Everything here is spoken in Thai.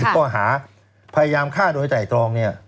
พยายามฆ่าโดยใจกรองเนี่ย